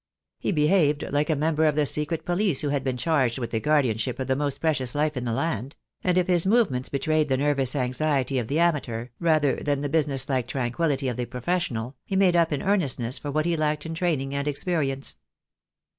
He behaved like a member of the secret police who had been charged with the guardianship of the most precious life in the land; and if his movements betrayed the nervous anxiety of the amateur, rather than the busi ness like tranquillity of the professional, he made up in earnestness for what he lacked in training and experience.